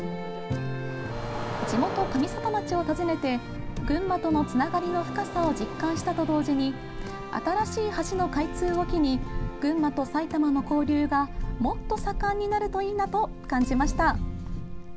地元・上里町を訪ねて群馬とのつながりの深さを実感したと同時に新しい橋の開通を機に群馬と埼玉の交流がもっと盛んになるといいなと感じました。